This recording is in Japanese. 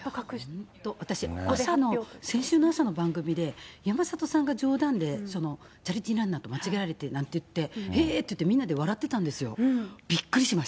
私、朝の、先週の朝の番組で、山里さんが冗談で、チャリティーランナーと間違えられてなんて言って、へーって言って、みんなで笑ってたんですよ。びっくりしました。